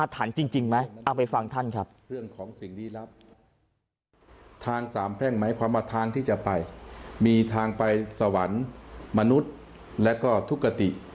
ตามแพร่งไหมความว่าทางที่จะไปมีทางไปสวรรค์มนุษย์แล้วก็ทุกขติ